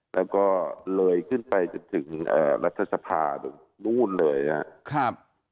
แล้วก็เลยขึ้นไปจนถึงรัฐสภาแบบนู่นเลยนะครับ